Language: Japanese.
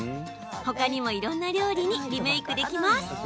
ほかにもいろんな料理にリメークできます。